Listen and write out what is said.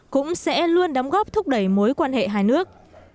cũng sẽ luôn đóng góp thúc đẩy mối quan hệ hai nước